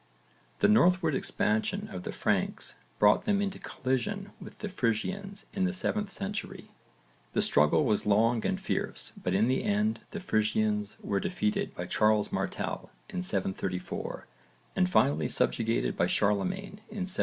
The northward expansion of the Franks brought them into collision with the Frisians in the 7th century. The struggle was long and fierce but in the end the Frisians were defeated by Charles Martel in 734 and finally subjugated by Charlemagne in 785.